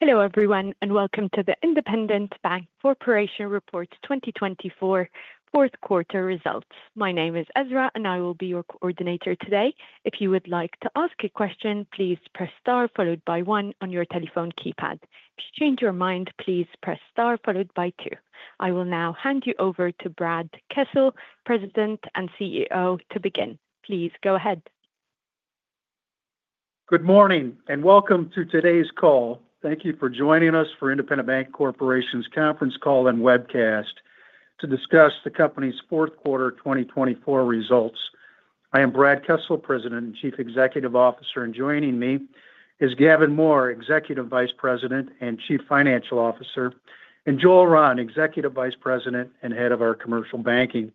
Hello everyone, and welcome to the Independent Bank Corporation Report 2024, fourth quarter results. My name is Ezra, and I will be your coordinator today. If you would like to ask a question, please press star followed by one on your telephone keypad. If you change your mind, please press star followed by two. I will now hand you over to Brad Kessel, President and CEO, to begin. Please go ahead. Good morning and welcome to today's call. Thank you for joining us for Independent Bank Corporation's conference call and webcast to discuss the company's fourth quarter 2024 results. I am Brad Kessel, President and Chief Executive Officer, and joining me is Gavin Mohr, Executive Vice President and Chief Financial Officer, and Joel Rahn, Executive Vice President and Head of our Commercial Banking.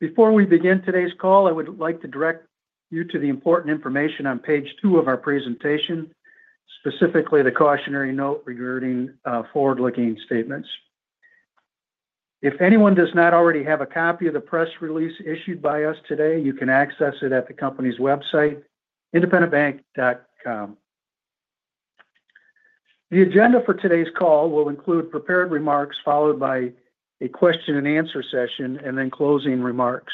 Before we begin today's call, I would like to direct you to the important information on page two of our presentation, specifically the cautionary note regarding forward-looking statements. If anyone does not already have a copy of the press release issued by us today, you can access it at the company's website, independentbank.com. The agenda for today's call will include prepared remarks followed by a question-and-answer session and then closing remarks.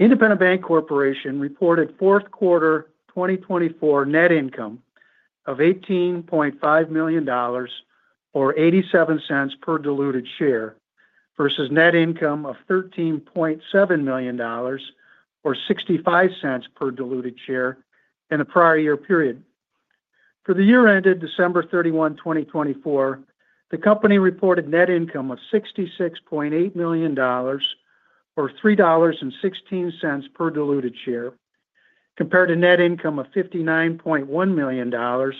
Independent Bank Corporation reported fourth quarter 2024 net income of $18.5 million or $0.87 per diluted share versus net income of $13.7 million or $0.65 per diluted share in the prior year period. For the year ended December 31, 2024, the company reported net income of $66.8 million or $3.16 per diluted share compared to net income of $59.1 million or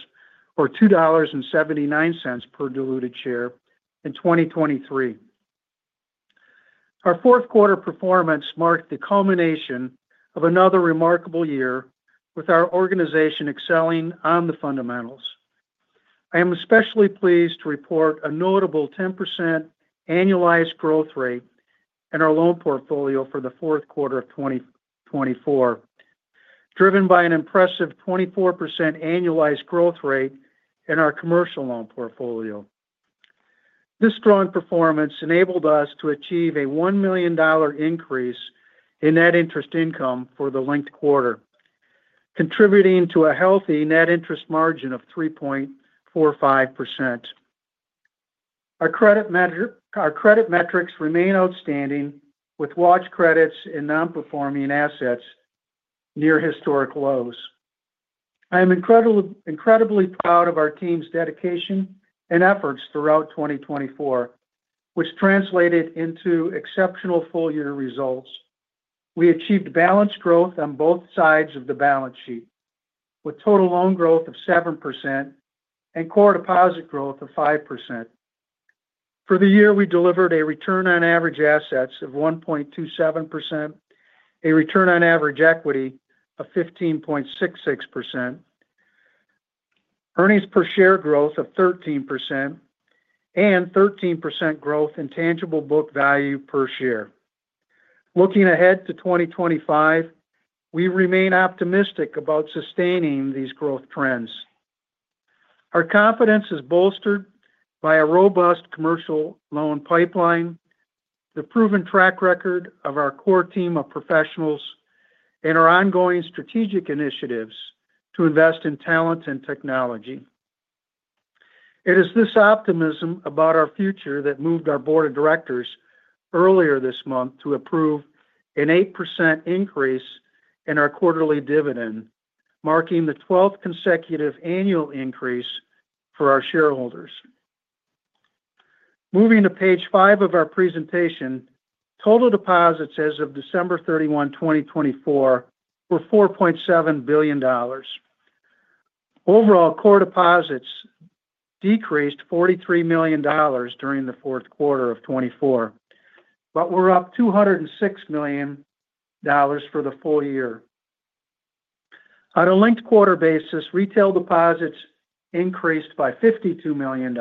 $2.79 per diluted share in 2023. Our fourth quarter performance marked the culmination of another remarkable year with our organization excelling on the fundamentals. I am especially pleased to report a notable 10% annualized growth rate in our loan portfolio for the fourth quarter of 2024, driven by an impressive 24% annualized growth rate in our commercial loan portfolio. This strong performance enabled us to achieve a $1 million increase in net interest income for the linked quarter, contributing to a healthy net interest margin of 3.45%. Our credit metrics remain outstanding, with watch credits and non-performing assets near historic lows. I am incredibly proud of our team's dedication and efforts throughout 2024, which translated into exceptional full-year results. We achieved balanced growth on both sides of the balance sheet, with total loan growth of 7% and core deposit growth of 5%. For the year, we delivered a return on average assets of 1.27%, a return on average equity of 15.66%, earnings per share growth of 13%, and 13% growth in tangible book value per share. Looking ahead to 2025, we remain optimistic about sustaining these growth trends. Our confidence is bolstered by a robust commercial loan pipeline, the proven track record of our core team of professionals, and our ongoing strategic initiatives to invest in talent and technology. It is this optimism about our future that moved our board of directors earlier this month to approve an 8% increase in our quarterly dividend, marking the 12th consecutive annual increase for our shareholders. Moving to page five of our presentation, total deposits as of December 31, 2024, were $4.7 billion. Overall, core deposits decreased $43 million during the fourth quarter of 2024, but were up $206 million for the full year. On a linked-quarter basis, retail deposits increased by $52 million,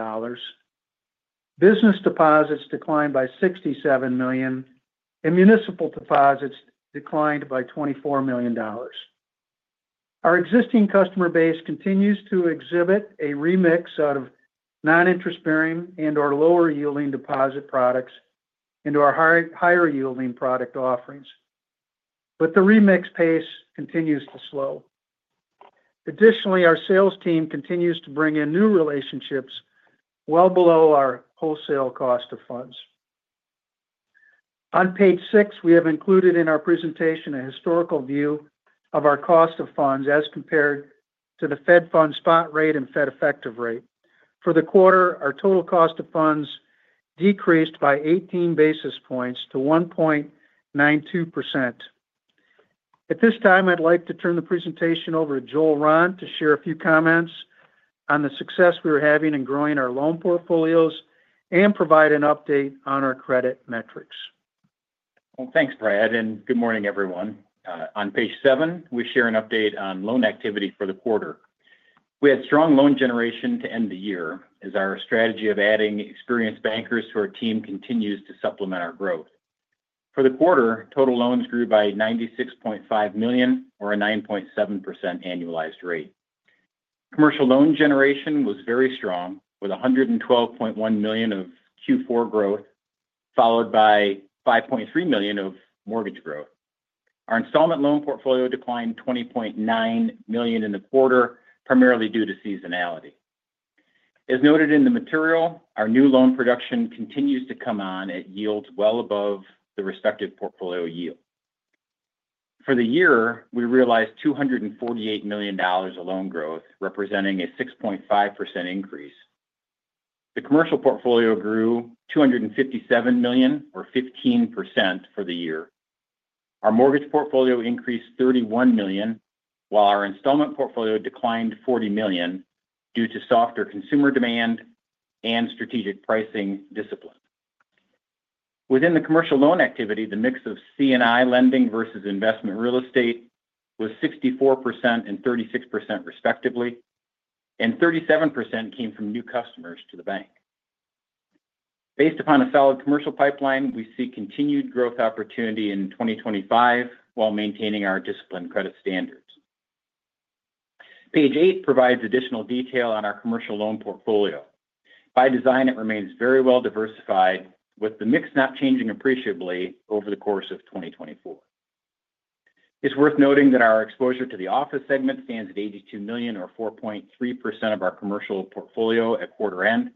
business deposits declined by $67 million, and municipal deposits declined by $24 million. Our existing customer base continues to exhibit a remix of non-interest-bearing and/or lower-yielding deposit products into our higher-yielding product offerings, but the remix pace continues to slow. Additionally, our sales team continues to bring in new relationships well below our wholesale cost of funds. On page six, we have included in our presentation a historical view of our cost of funds as compared to the Fed Funds Spot Rate and Fed Effective Rate. For the quarter, our total cost of funds decreased by 18 basis points to 1.92%. At this time, I'd like to turn the presentation over to Joel Rahn to share a few comments on the success we are having in growing our loan portfolios and provide an update on our credit metrics. Thanks, Brad, and good morning, everyone. On page seven, we share an update on loan activity for the quarter. We had strong loan generation to end the year as our strategy of adding experienced bankers to our team continues to supplement our growth. For the quarter, total loans grew by $96.5 million or a 9.7% annualized rate. Commercial loan generation was very strong, with $112.1 million of Q4 growth, followed by $5.3 million of mortgage growth. Our installment loan portfolio declined $20.9 million in the quarter, primarily due to seasonality. As noted in the material, our new loan production continues to come on at yields well above the respective portfolio yield. For the year, we realized $248 million of loan growth, representing a 6.5% increase. The commercial portfolio grew $257 million, or 15%, for the year. Our mortgage portfolio increased $31 million, while our installment portfolio declined $40 million due to softer consumer demand and strategic pricing discipline. Within the commercial loan activity, the mix of C&I lending versus investment real estate was 64% and 36%, respectively, and 37% came from new customers to the bank. Based upon a solid commercial pipeline, we see continued growth opportunity in 2025 while maintaining our disciplined credit standards. Page eight provides additional detail on our commercial loan portfolio. By design, it remains very well diversified, with the mix not changing appreciably over the course of 2024. It's worth noting that our exposure to the office segment stands at $82 million, or 4.3%, of our commercial portfolio at quarter end,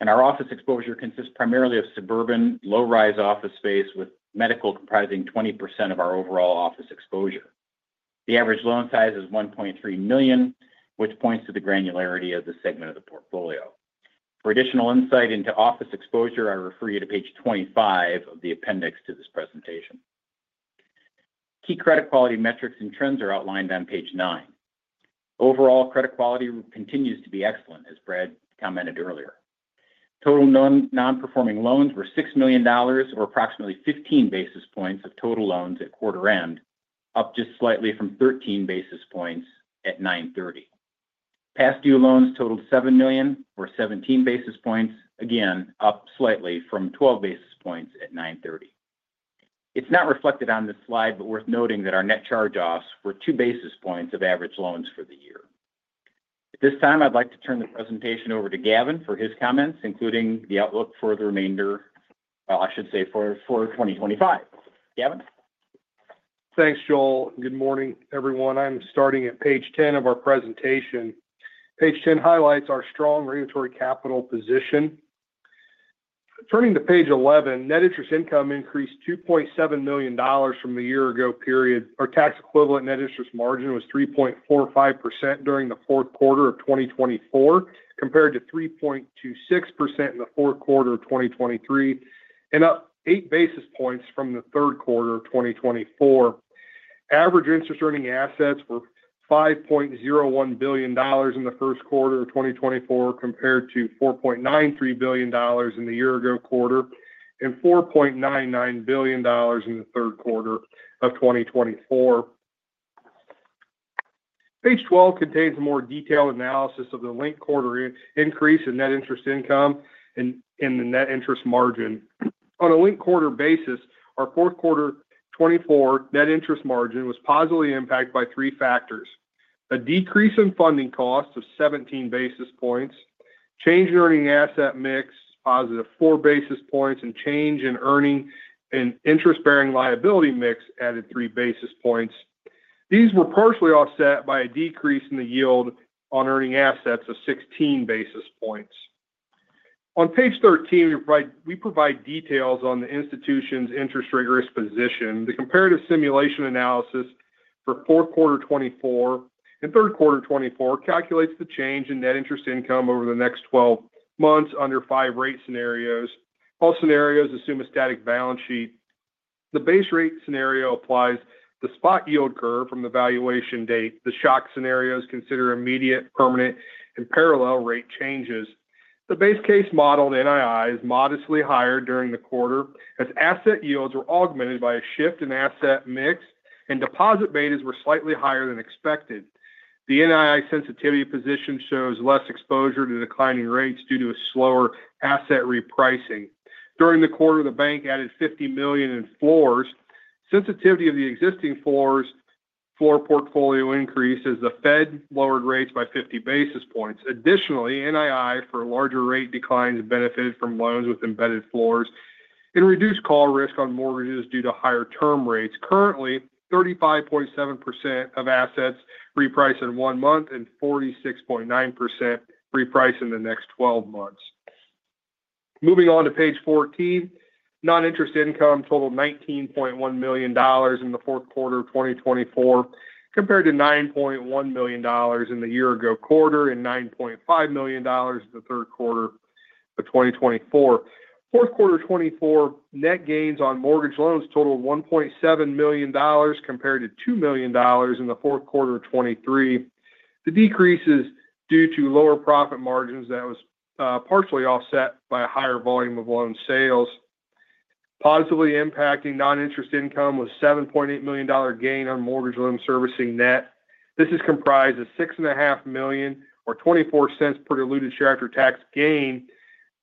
and our office exposure consists primarily of suburban low-rise office space with medical comprising 20% of our overall office exposure. The average loan size is $1.3 million, which points to the granularity of the segment of the portfolio. For additional insight into office exposure, I refer you to page 25 of the appendix to this presentation. Key credit quality metrics and trends are outlined on page nine. Overall, credit quality continues to be excellent, as Brad commented earlier. Total non-performing loans were $6 million, or approximately 15 basis points of total loans at quarter end, up just slightly from 13 basis points at 9/30. Past due loans totaled $7 million, or 17 basis points, again up slightly from 12 basis points at 9/30. It's not reflected on this slide, but worth noting that our net charge-offs were 2 basis points of average loans for the year. At this time, I'd like to turn the presentation over to Gavin for his comments, including the outlook for the remainder, well, I should say for 2025. Gavin? Thanks, Joel. Good morning, everyone. I'm starting at page 10 of our presentation. Page 10 highlights our strong regulatory capital position. Turning to page 11, net interest income increased $2.7 million from the year-ago period. Our tax-equivalent net interest margin was 3.45% during the fourth quarter of 2024, compared to 3.26% in the fourth quarter of 2023, and up eight basis points from the third quarter of 2024. Average interest-earning assets were $5.01 billion in the first quarter of 2024, compared to $4.93 billion in the year-ago quarter and $4.99 billion in the third quarter of 2024. Page 12 contains a more detailed analysis of the linked quarter increase in net interest income and the net interest margin. On a linked quarter basis, our fourth quarter 2024 net interest margin was positively impacted by three factors: a decrease in funding costs of 17 basis points, change in earning asset mix positive four basis points, and change in earning and interest-bearing liability mix added three basis points. These were partially offset by a decrease in the yield on earning assets of 16 basis points. On page 13, we provide details on the institution's interest rate risk position. The comparative simulation analysis for fourth quarter 2024 and third quarter 2024 calculates the change in net interest income over the next 12 months under five rate scenarios. All scenarios assume a static balance sheet. The base rate scenario applies the spot yield curve from the valuation date. The shock scenarios consider immediate, permanent, and parallel rate changes. The base case model, the NII, is modestly higher during the quarter as asset yields were augmented by a shift in asset mix, and deposit betas were slightly higher than expected. The NII sensitivity position shows less exposure to declining rates due to a slower asset repricing. During the quarter, the bank added $50 million in floors. Sensitivity of the existing floor portfolio increased as the Fed lowered rates by 50 basis points. Additionally, NII for larger rate declines benefited from loans with embedded floors and reduced call risk on mortgages due to higher term rates. Currently, 35.7% of assets repriced in one month and 46.9% repriced in the next 12 months. Moving on to page 14, non-interest income totaled $19.1 million in the fourth quarter of 2024, compared to $9.1 million in the year-ago quarter and $9.5 million in the third quarter of 2024. Fourth quarter 2024 net gains on mortgage loans totaled $1.7 million compared to $2 million in the fourth quarter of 2023. The decrease is due to lower profit margins that was partially offset by a higher volume of loan sales. Positively impacting non-interest income was a $7.8 million gain on mortgage loan servicing net. This is comprised of $6.5 million, or $0.24 per diluted share after tax gain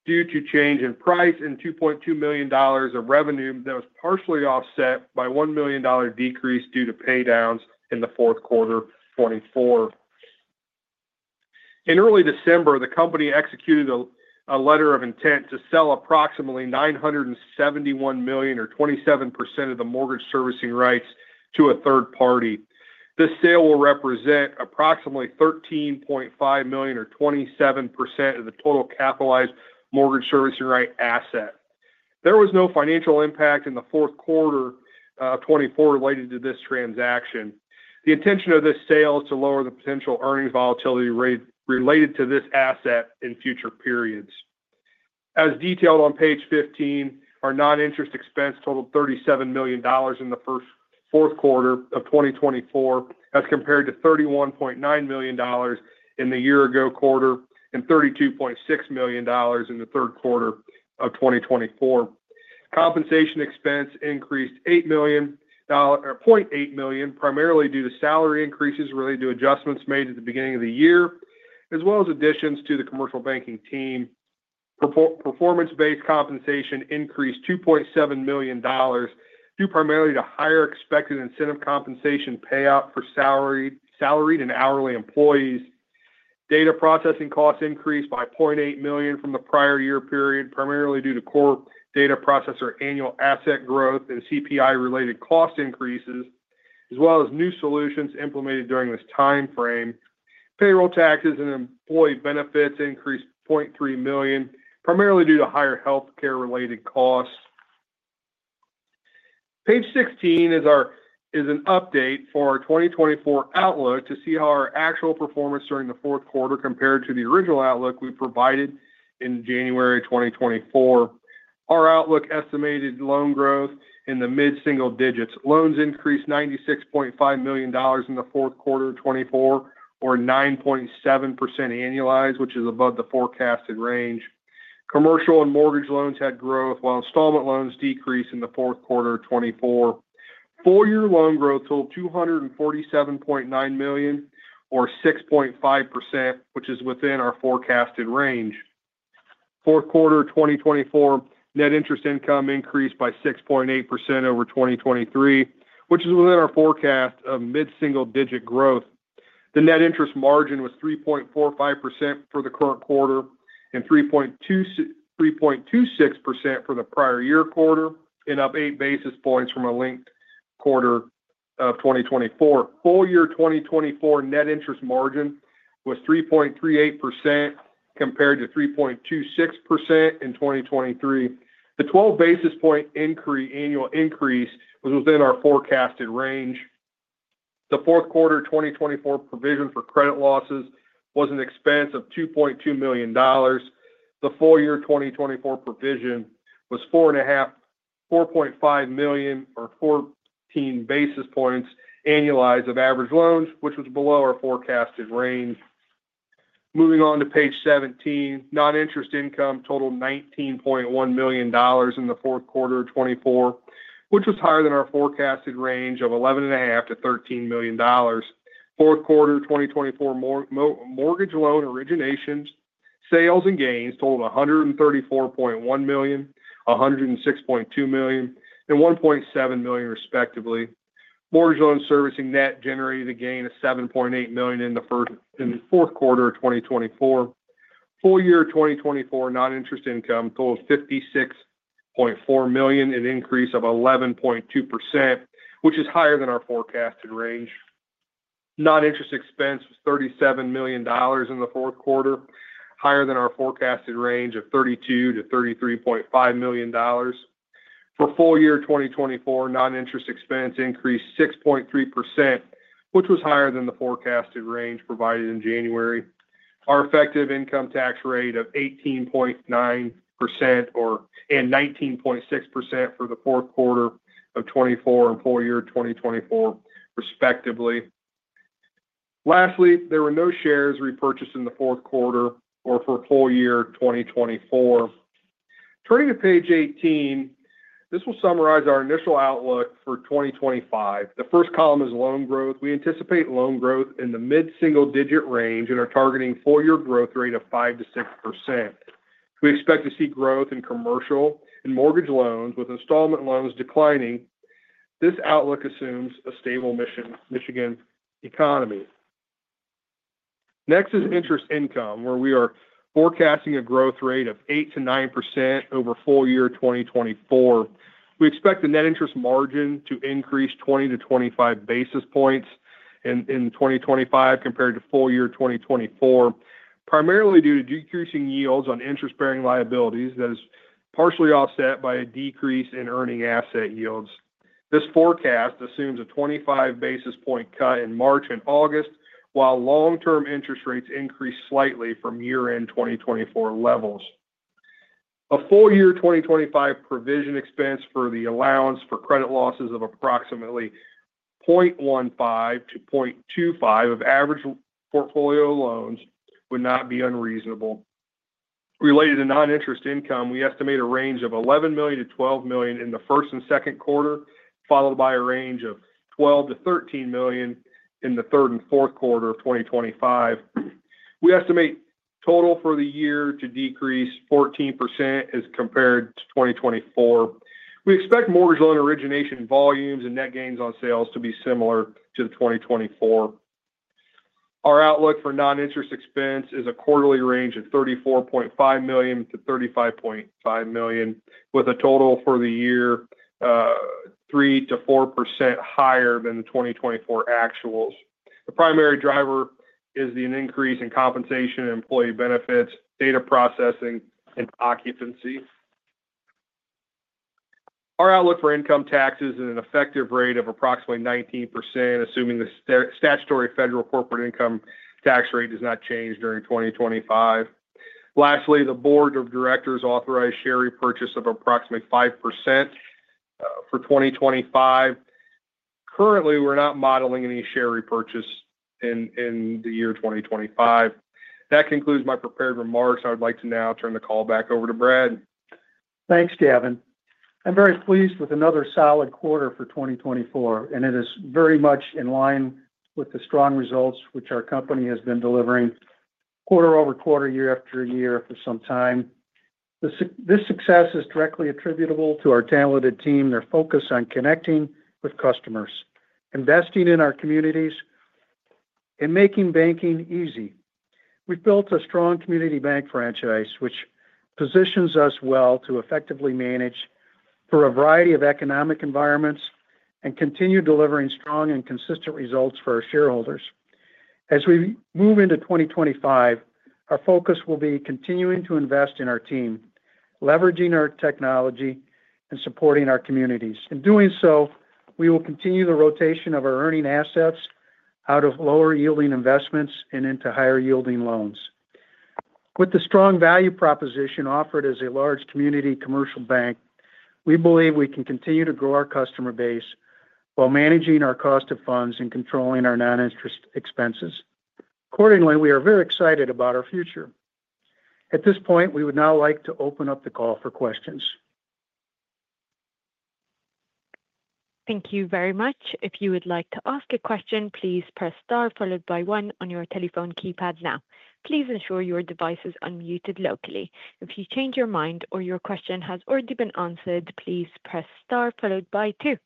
due to change in price and $2.2 million of revenue that was partially offset by a $1 million decrease due to paydowns in the fourth quarter 2024. In early December, the company executed a letter of intent to sell approximately $971 million, or 27% of the mortgage servicing rights, to a third party. This sale will represent approximately $13.5 million, or 27% of the total capitalized mortgage servicing right asset. There was no financial impact in the fourth quarter of 2024 related to this transaction. The intention of this sale is to lower the potential earnings volatility related to this asset in future periods. As detailed on page 15, our non-interest expense totaled $37 million in the fourth quarter of 2024, as compared to $31.9 million in the year-ago quarter and $32.6 million in the third quarter of 2024. Compensation expense increased $0.8 million, primarily due to salary increases related to adjustments made at the beginning of the year, as well as additions to the commercial banking team. Performance-based compensation increased $2.7 million due primarily to higher expected incentive compensation payout for salaried and hourly employees. Data processing costs increased by $0.8 million from the prior year period, primarily due to core data processor annual asset growth and CPI-related cost increases, as well as new solutions implemented during this timeframe. Payroll taxes and employee benefits increased $0.3 million, primarily due to higher healthcare-related costs. Page 16 is an update for our 2024 outlook to see how our actual performance during the fourth quarter compared to the original outlook we provided in January 2024. Our outlook estimated loan growth in the mid-single digits. Loans increased $96.5 million in the fourth quarter of 2024, or 9.7% annualized, which is above the forecasted range. Commercial and mortgage loans had growth, while installment loans decreased in the fourth quarter of 2024. Full-year loan growth totaled $247.9 million, or 6.5%, which is within our forecasted range. Fourth quarter of 2024, net interest income increased by 6.8% over 2023, which is within our forecast of mid-single digit growth. The net interest margin was 3.45% for the current quarter and 3.26% for the prior year quarter, and up eight basis points from a linked quarter of 2024. Full year 2024 net interest margin was 3.38%, compared to 3.26% in 2023. The 12 basis point annual increase was within our forecasted range. The fourth quarter 2024 provision for credit losses was an expense of $2.2 million. The full year 2024 provision was $4.5 million, or 14 basis points annualized of average loans, which was below our forecasted range. Moving on to page 17, non-interest income totaled $19.1 million in the fourth quarter of 2024, which was higher than our forecasted range of $11.5 million-$13 million. Fourth quarter 2024 mortgage loan originations, sales and gains totaled $134.1 million, $106.2 million, and $1.7 million, respectively. Mortgage loan servicing net generated a gain of $7.8 million in the fourth quarter of 2024. Full year 2024 non-interest income totaled $56.4 million, an increase of 11.2%, which is higher than our forecasted range. Non-interest expense was $37 million in the fourth quarter, higher than our forecasted range of $32 million-$33.5 million. For full year 2024, non-interest expense increased 6.3%, which was higher than the forecasted range provided in January. Our effective income tax rate of 18.9% and 19.6% for the fourth quarter of 2024 and full year 2024, respectively. Lastly, there were no shares repurchased in the fourth quarter or for full year 2024. Turning to page 18, this will summarize our initial outlook for 2025. The first column is loan growth. We anticipate loan growth in the mid-single digit range and are targeting full year growth rate of 5%-6%. We expect to see growth in commercial and mortgage loans, with installment loans declining. This outlook assumes a stable Michigan economy. Next is interest income, where we are forecasting a growth rate of 8%-9% over full year 2024. We expect the net interest margin to increase 20 basis points-25 basis points in 2025 compared to full year 2024, primarily due to decreasing yields on interest-bearing liabilities that is partially offset by a decrease in earning asset yields. This forecast assumes a 25 basis point cut in March and August, while long-term interest rates increase slightly from year-end 2024 levels. A full year 2025 provision expense for the allowance for credit losses of approximately 0.15-0.25 of average portfolio loans would not be unreasonable. Related to non-interest income, we estimate a range of $11 million-$12 million in the first and second quarter, followed by a range of $12 million-$13 million in the third and fourth quarter of 2025. We estimate total for the year to decrease 14% as compared to 2024. We expect mortgage loan origination volumes and net gains on sales to be similar to 2024. Our outlook for non-interest expense is a quarterly range of $34.5 million-$35.5 million, with a total for the year 3%-4% higher than the 2024 actuals. The primary driver is the increase in compensation and employee benefits, data processing, and occupancy. Our outlook for income tax is at an effective rate of approximately 19%, assuming the statutory federal corporate income tax rate does not change during 2025. Lastly, the board of directors authorized share repurchase of approximately 5% for 2025. Currently, we're not modeling any share repurchase in the year 2025. That concludes my prepared remarks. I would like to now turn the call back over to Brad. Thanks, Gavin. I'm very pleased with another solid quarter for 2024, and it is very much in line with the strong results which our company has been delivering quarter over quarter, year after year for some time. This success is directly attributable to our talented team and their focus on connecting with customers, investing in our communities, and making banking easy. We've built a strong community bank franchise, which positions us well to effectively manage for a variety of economic environments and continue delivering strong and consistent results for our shareholders. As we move into 2025, our focus will be continuing to invest in our team, leveraging our technology, and supporting our communities. In doing so, we will continue the rotation of our earning assets out of lower-yielding investments and into higher-yielding loans. With the strong value proposition offered as a large community commercial bank, we believe we can continue to grow our customer base while managing our cost of funds and controlling our non-interest expenses. Accordingly, we are very excited about our future. At this point, we would now like to open up the call for questions. Thank you very much. If you would like to ask a question, please press star followed by one on your telephone keypad now. Please ensure your device is unmuted locally. If you change your mind or your question has already been answered, please press star followed by two.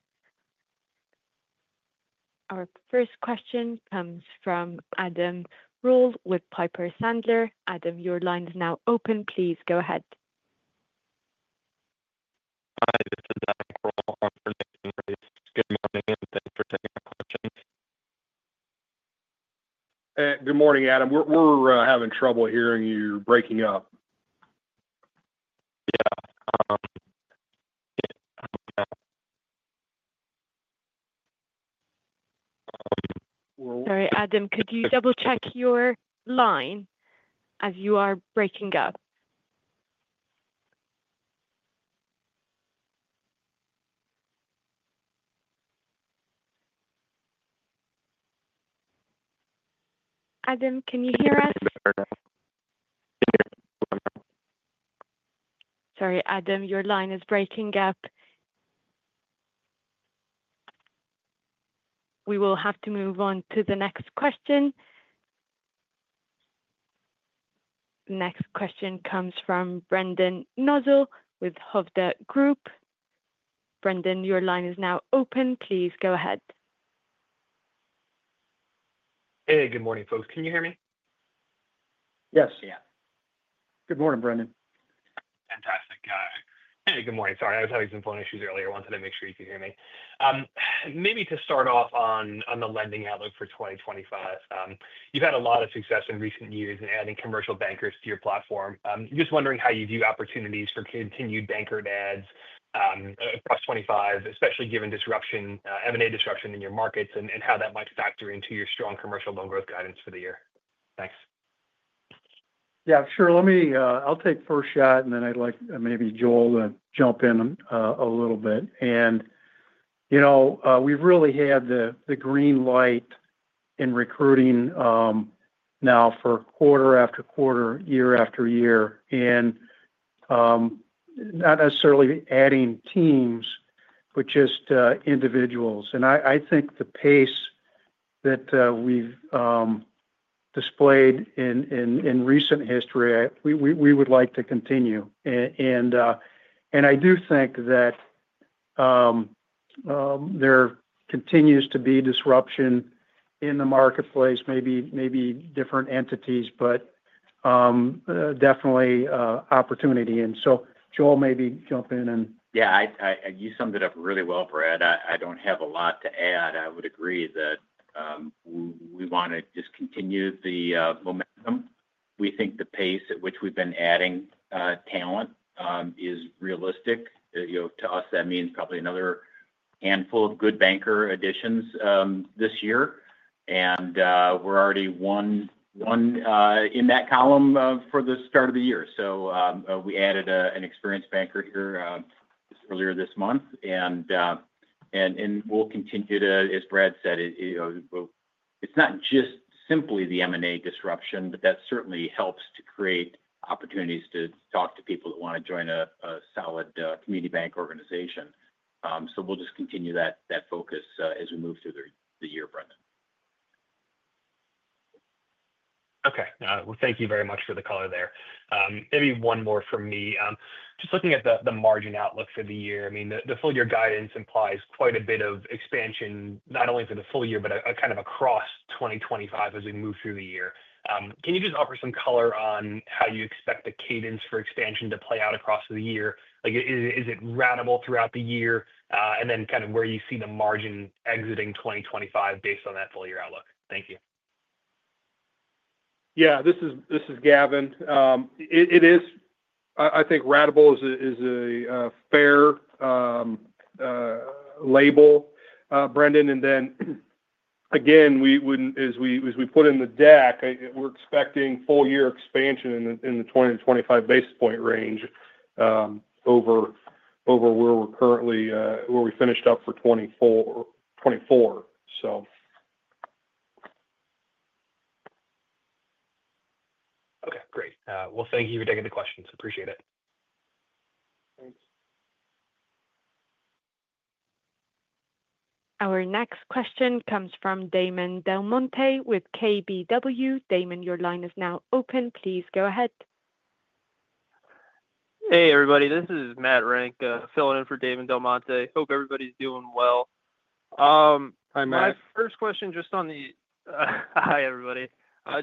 Our first question comes from Adam Kroll with Piper Sandler. Adam, your line is now open. Please go ahead. Hi, this is Adam Kroll. Good morning and thanks for taking my question. Good morning, Adam. We're having trouble hearing you breaking up. Yeah. Sorry, Adam, could you double-check your line as you are breaking up? Adam, can you hear us? Sorry, Adam, your line is breaking up. We will have to move on to the next question. Next question comes from Brendan Nosal with Hovde Group. Brendan, your line is now open. Please go ahead. Hey, good morning, folks. Can you hear me? Yes. Yeah. Good morning, Brendan. Fantastic. Hey, good morning. Sorry, I was having some phone issues earlier. I wanted to make sure you could hear me. Maybe to start off on the lending outlook for 2025, you've had a lot of success in recent years in adding commercial bankers to your platform. Just wondering how you view opportunities for continued banker adds across 2025, especially given M&A disruption in your markets and how that might factor into your strong commercial loan growth guidance for the year. Thanks. Yeah, sure. I'll take the first shot, and then I'd like maybe Joel to jump in a little bit. And we've really had the green light in recruiting now for quarter after quarter, year after year, and not necessarily adding teams, but just individuals. And I think the pace that we've displayed in recent history, we would like to continue. And I do think that there continues to be disruption in the marketplace, maybe different entities, but definitely opportunity. And so Joel maybe jump in and. Yeah, you summed it up really well, Brad. I don't have a lot to add. I would agree that we want to just continue the momentum. We think the pace at which we've been adding talent is realistic. To us, that means probably another handful of good banker additions this year, and we're already one in that column for the start of the year, so we added an experienced banker here earlier this month, and we'll continue to, as Brad said. It's not just simply the M&A disruption, but that certainly helps to create opportunities to talk to people that want to join a solid community bank organization, so we'll just continue that focus as we move through the year, Brendan. Okay, well, thank you very much for the color there. Maybe one more from me. Just looking at the margin outlook for the year, I mean, the full year guidance implies quite a bit of expansion, not only for the full year, but kind of across 2025 as we move through the year. Can you just offer some color on how you expect the cadence for expansion to play out across the year? Is it ratable throughout the year? And then kind of where you see the margin exiting 2025 based on that full year outlook? Thank you. Yeah, this is Gavin. It is, I think, ratable is a fair label, Brendan. And then, again, as we put in the deck, we're expecting full year expansion in the 20 basis points-25 basis points range over where we finished up for 2024, so. Okay. Great. Well, thank you for taking the questions. Appreciate it. Thanks. Our next question comes from Damon DelMonte with KBW. Damon, your line is now open. Please go ahead. Hey, everybody. This is Matt Renck, filling in for Damon DelMonte. Hope everybody's doing well. Hi, Matt. My first question just on the hi, everybody.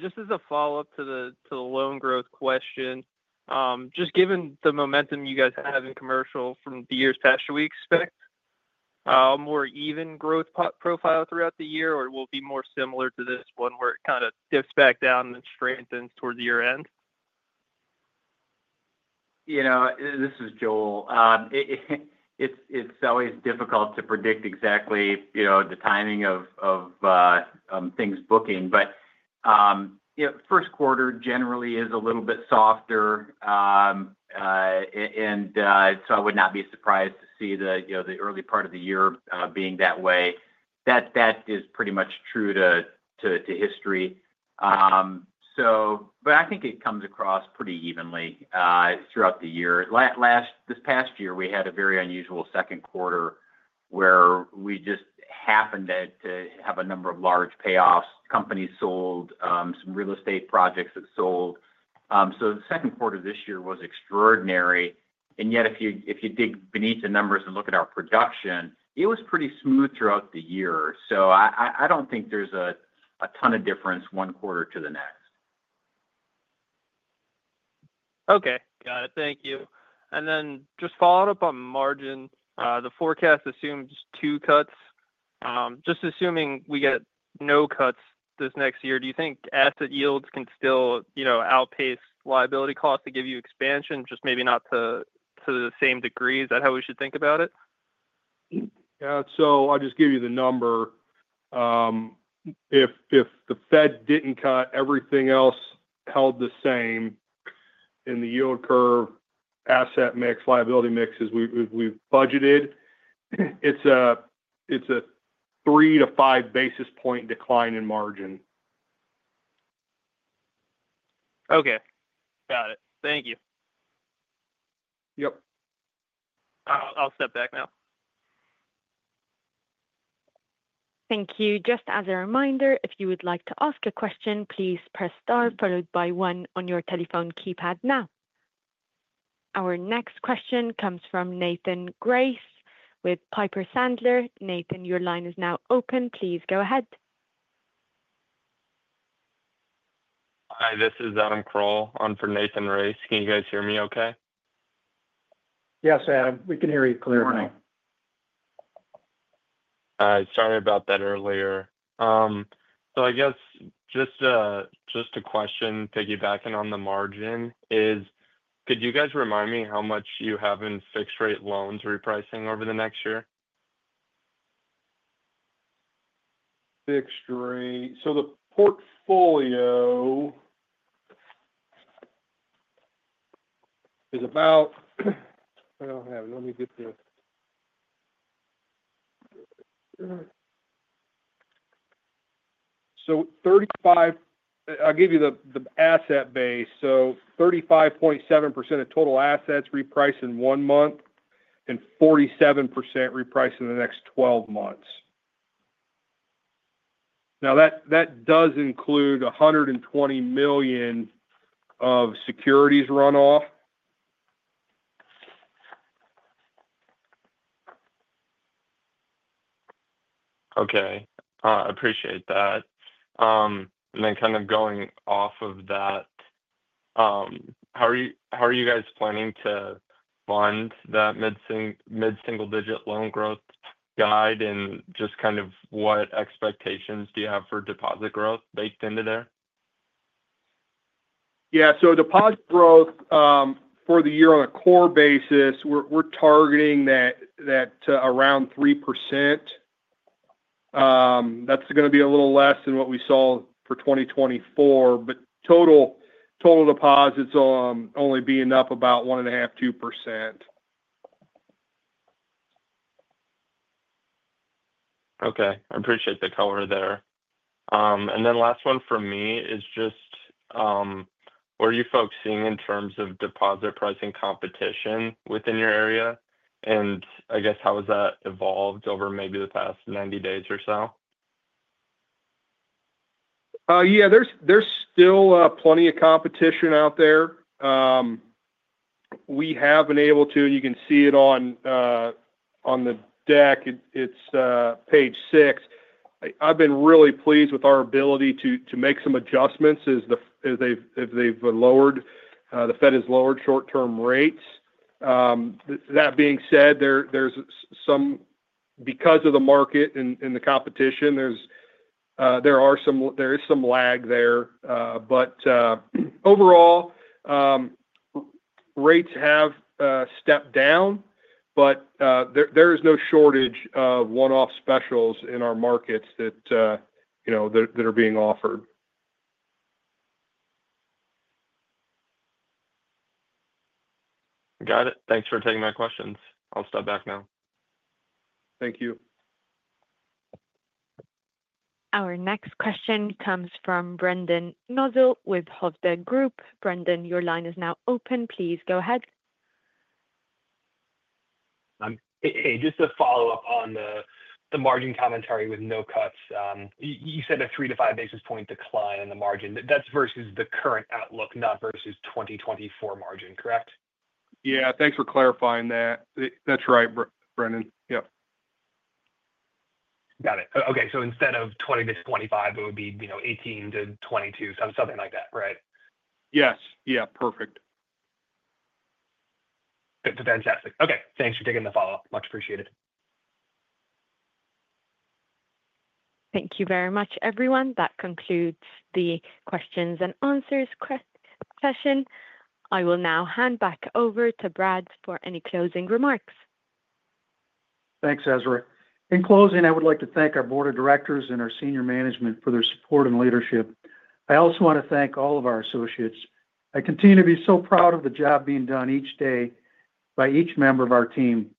Just as a follow-up to the loan growth question, just given the momentum you guys have in commercial from the years past, should we expect a more even growth profile throughout the year, or will it be more similar to this one where it kind of dips back down and strengthens towards year-end? This is Joel. It's always difficult to predict exactly the timing of things booking, but first quarter generally is a little bit softer, and so I would not be surprised to see the early part of the year being that way. That is pretty much true to history. But I think it comes across pretty evenly throughout the year. This past year, we had a very unusual second quarter where we just happened to have a number of large payoffs. Companies sold. Some real estate projects that sold. So the second quarter this year was extraordinary. And yet, if you dig beneath the numbers and look at our production, it was pretty smooth throughout the year. So I don't think there's a ton of difference one quarter to the next. Okay. Got it. Thank you. And then just followed up on margin, the forecast assumes two cuts. Just assuming we get no cuts this next year, do you think asset yields can still outpace liability costs to give you expansion, just maybe not to the same degree? Is that how we should think about it? Yeah. So I'll just give you the number. If the Fed didn't cut, everything else held the same in the yield curve, asset mix, liability mixes we've budgeted. It's a three to five basis point decline in margin. Okay. Got it. Thank you. Yep. I'll step back now. Thank you. Just as a reminder, if you would like to ask a question, please press star followed by one on your telephone keypad now. Our next question comes from Nathan Race with Piper Sandler. Nathan, your line is now open. Please go ahead. Hi, this is Adam Kroll on for Nathan Race. Can you guys hear me okay? Yes, Adam. We can hear you clearly. Okay. Sorry about that earlier. So I guess just a question piggybacking on the margin is, could you guys remind me how much you have in fixed-rate loans repricing over the next year? So the portfolio is about, well, hang on. Let me get the, so I'll give you the asset base. So 35.7% of total assets repriced in one month and 47% repriced in the next 12 months. Now, that does include $120 million of securities runoff. Okay. Appreciate that. And then kind of going off of that, how are you guys planning to fund that mid-single-digit loan growth guide and just kind of what expectations do you have for deposit growth baked into there? Deposit growth for the year on a core basis, we're targeting that to around 3%. That's going to be a little less than what we saw for 2024, but total deposits only being up about 1.5%-2%. Okay. I appreciate the color there. And then last one for me is just, what are you folks seeing in terms of deposit pricing competition within your area? And I guess, how has that evolved over maybe the past 90 days or so? Yeah. There's still plenty of competition out there. We have been able to, and you can see it on the deck. It's page six. I've been really pleased with our ability to make some adjustments as they've lowered, the Fed has lowered short-term rates. That being said, because of the market and the competition, there is some lag there. But overall, rates have stepped down, but there is no shortage of one-off specials in our markets that are being offered. Got it. Thanks for taking my questions. I'll step back now. Thank you. Our next question comes from Brendan Nosal with Hovde Group. Brendan, your line is now open. Please go ahead. Hey, just to follow up on the margin commentary with no cuts, you said a three to five basis points decline in the margin. That's versus the current outlook, not versus 2024 margin, correct? Yeah. Thanks for clarifying that. That's right, Brendan. Yep. Got it. Okay. So instead of 20 basis points-25 basis points, it would be 18 basis p oints-22 basis points, something like that, right? Yes. Yeah. Perfect. Fantastic. Okay. Thanks for taking the follow-up. Much appreciated. Thank you very much, everyone. That concludes the questions and answers session. I will now hand back over to Brad for any closing remarks. Thanks, Ezra. In closing, I would like to thank our board of directors and our senior management for their support and leadership. I also want to thank all of our associates. I continue to be so proud of the job being done each day by each member of our team.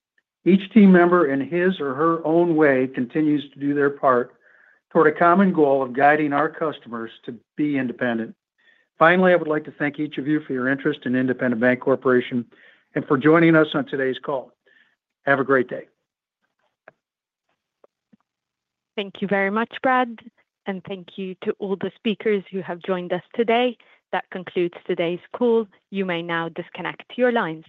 Each team member, in his or her own way, continues to do their part toward a common goal of guiding our customers to be independent. Finally, I would like to thank each of you for your interest in Independent Bank Corporation and for joining us on today's call. Have a great day. Thank you very much, Brad. And thank you to all the speakers who have joined us today. That concludes today's call. You may now disconnect your lines.